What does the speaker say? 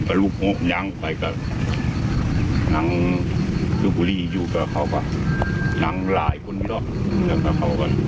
ข้ายของผู้หญิงเป็นยาก